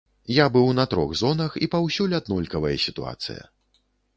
Я быў на трох зонах, і паўсюль аднолькавая сітуацыя.